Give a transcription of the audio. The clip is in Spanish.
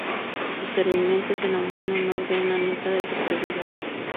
Posteriormente se nombró en honor de una nieta del descubridor.